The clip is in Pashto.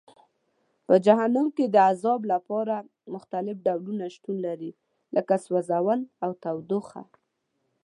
په جهنم کې د عذاب لپاره مختلف ډولونه شتون لري لکه سوځول او تودوخه.